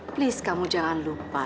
please kamu jangan lupa